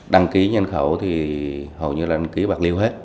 đăng ký nhân khẩu thì hầu như là anh ký bạc liêu hết